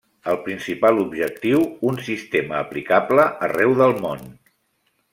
El principal objectiu: un sistema aplicable arreu del món.